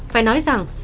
phải nói rằng